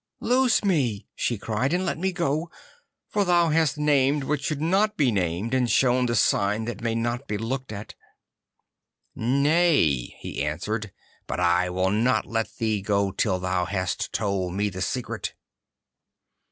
'Loose me,' she cried, 'and let me go. For thou hast named what should not be named, and shown the sign that may not be looked at.' 'Nay,' he answered, 'but I will not let thee go till thou hast told me the secret.